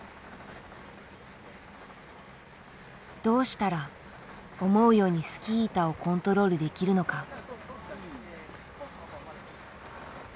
どうしたら思うようにスキー板をコントロールできるのか。